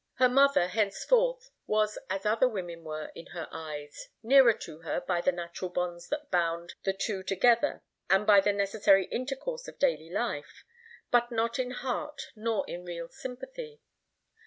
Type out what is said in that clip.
Her mother, henceforth, was as other women were in her eyes, nearer to her, by the natural bonds that bound the two together and by the necessary intercourse of daily life, but not in heart nor in real sympathy.